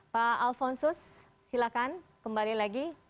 pak alfonsus silakan kembali lagi